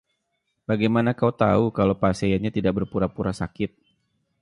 Bagaimana kau tahu kalau pasiennya tidak berpura-pura sakit?